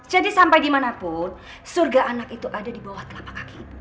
jadi sampai dimanapun surga anak itu ada di bawah telapak kaki